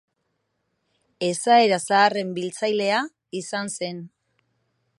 Esaera zaharren biltzailea izan zen.